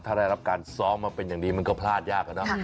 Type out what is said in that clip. ถ้าได้รับการซ้อมมาเป็นอย่างดีมันก็พลาดยากอะเนาะ